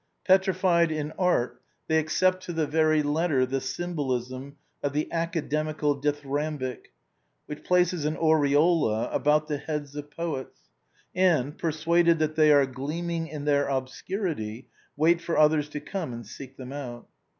Petrified in art, they accept to the very letter the symbolism of the academical dithyram bic, which places an aureola about the heads of poets, and, persuaded that they are gleaming in their obscurity, wait for others to come and seek them out.